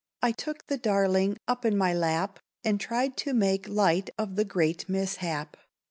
I took the darling up in my lap, And tried to make light of the great mishap.